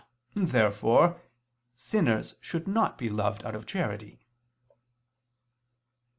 Therefore sinners should not be loved out of charity.